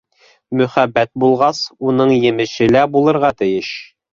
Мөхәббәт булғас, уның емеше лә булырға тейеш.